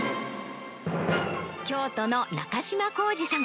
京都の中島浩二さん